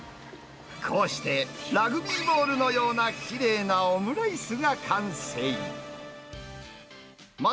こうしてラグビーボールのようなきれいなオムライスが完成。